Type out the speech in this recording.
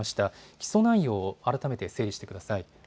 起訴内容を改めて整理してください。